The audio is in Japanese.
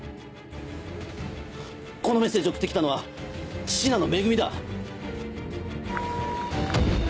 このメッセージを送ってきたのは信濃めぐみだ。